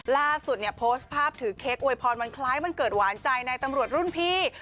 ล่าสุดเนี่ยโพสต์ภาพถือเค้กอวยพรวันคล้ายวันเกิดหวานใจในตำรวจรุ่นพี่